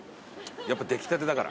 やっぱ出来たてだから。